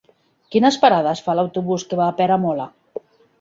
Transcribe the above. Quines parades fa l'autobús que va a Peramola?